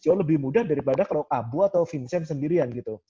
jauh lebih mudah daripada keruk abu atau vincent sendirian gitu